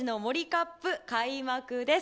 カップ開幕です。